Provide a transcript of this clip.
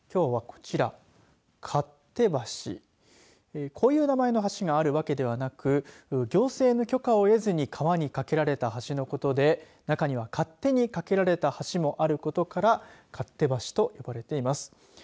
こういう名前の橋があるわけではなく行政の許可を得ずに川に架けられた橋のことで中には勝手に架けられた橋もあることから勝手橋と呼ばれています。